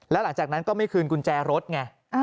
แล้วหลังจากนั้นก็ไม่คืนกุญแจรถไง